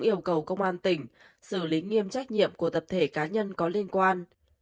yêu cầu công an tỉnh xử lý nghiêm trách nhiệm của tập thể cá nhân có liên quan